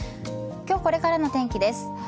今日、これからの天気です。